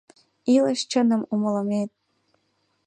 «Илыш чыным умылымет...»